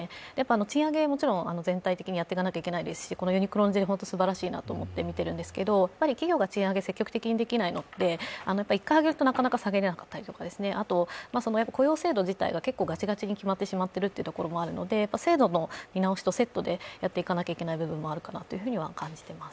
賃上げ、もちろん全体的にやっていかないといけないですしユニクロの前例、本当にすばらしいなと思って見ているんですが、企業が賃上げを積極的にできないのって、１回上げるとなかなか下げられないとかあと、雇用制度自体が結構ガチガチに決まってしまっているというのがあるので制度の見直しとセットでやっていかなきゃいけない部分もあるかなと感じています。